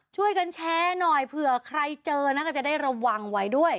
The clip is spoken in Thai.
ช่วยกันแชร์หน่อยเผื่อใครเจอนะก็จะได้ระวังไว้ด้วย